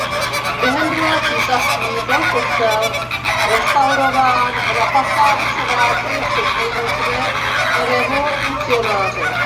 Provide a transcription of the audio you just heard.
Během Druhého císařství byl kostel restaurován a na fasádu se vrátily sochy zničené revolucionáři.